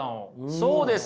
そうです。